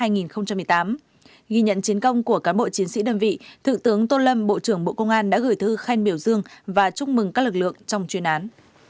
ghi nhận chiến công của cán bộ chiến sĩ đơn vị thượng tướng tô lâm bộ trưởng bộ công an đã gửi thư khen biểu dương và chúc mừng các lực lượng trong chuyên án